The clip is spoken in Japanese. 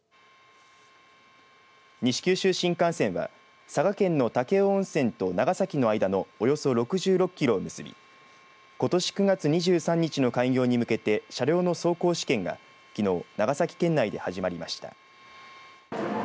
西九州新幹線は佐賀県の武雄温泉と長崎の間のおよそ６６キロを結びことし９月２３日の開業に向けて、車両の走行試験がきのう長崎県内で始まりました。